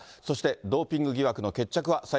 そしてドーピング疑惑の決着は。